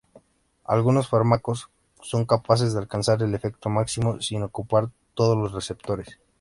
Algunos fármacos son capaces de alcanzar el efecto máximo sin ocupar todos los receptores.